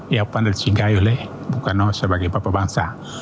yang dipandangkan oleh bung karno sebagai bapa bangsa